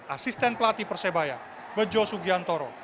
asisten pelatih persebaya bejo sugiantoro